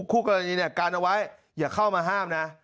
คู่กรณีเนี่ยการเอาไว้อย่าเข้ามาห้ามนะ